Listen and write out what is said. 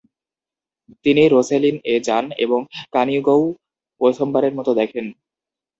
তিনি রোসেলিন-এ যান এবং কানিগউ প্রথমবারের মত দেখেন।